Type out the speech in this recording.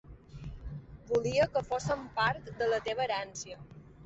Volia que fossin part de la teva herència.